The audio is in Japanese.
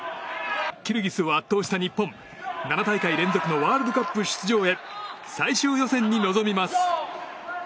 キルギスを圧倒した日本７大会連続のワールドカップ出場へ最終予選に臨みます。